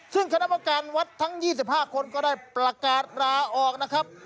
ซึ่งคณะประการวัดทั้ง๒๕คนก็ได้ประกาศลาออกนะครับ